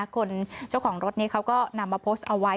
คนเจ้าของรถนี้เขาก็นำมาโพสต์เอาไว้